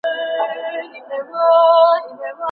ولي ټولنيز فشارونه اغېز نه کوي؟